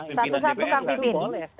pemimpinan dpr itu boleh